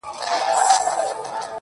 لـــكــه ښـــه اهـنـــگ.